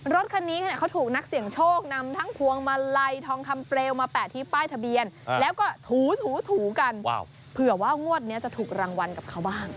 รถคันนี้เขาถูกนักเสี่ยงโชคนำทั้งพวงมาลัยทองคำเปลวมาแปะที่ป้ายทะเบียนแล้วก็ถูกันเผื่อว่างวดนี้จะถูกรางวัลกับเขาบ้าง